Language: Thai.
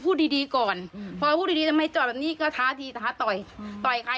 พูดดีดีก่อนอืมพอพูดดีดีทำไมจอดแบบนี้ก็ท้าทีท้าต่อยต่อยใคร